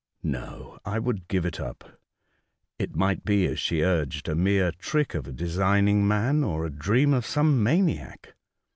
No, I would give it up. It might be, as she urged, a mere trick of a designing man, or a dream of some maniac.